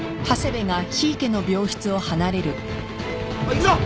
行くぞ。